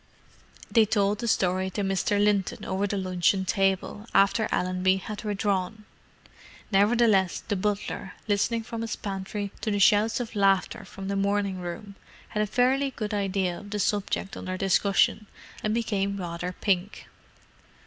They told the story to Mr. Linton over the luncheon table, after Allenby had withdrawn. Nevertheless, the butler, listening from his pantry to the shouts of laughter from the morning room, had a fairly good idea of the subject under discussion, and became rather pink.